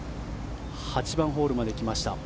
８番ホールまで来ました。